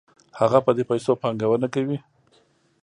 هغه په دې پیسو پانګونه کوي